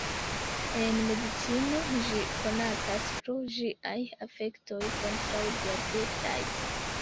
En medicino, ĝi konatas pro ĝiaj efektoj kontraŭ-diabetaj.